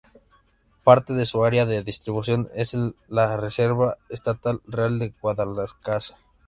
Parte de su área de distribución es en la Reserva Estatal Real de Guadalcázar.